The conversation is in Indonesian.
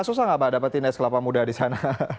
susah nggak bapak dapatin es kelapa muda di sana